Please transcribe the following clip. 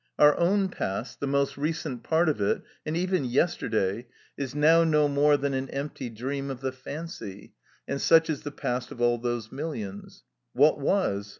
Our own past, the most recent part of it, and even yesterday, is now no more than an empty dream of the fancy, and such is the past of all those millions. What was?